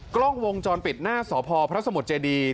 กล้องวงจรปิดหน้าสพพระสมุทรเจดี